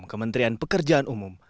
kementerian pekerjaan umum